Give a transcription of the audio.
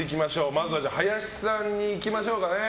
まずは林さんにいきましょうかね。